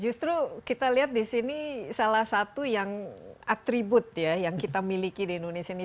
justru kita lihat di sini salah satu yang atribut ya yang kita miliki di indonesia ini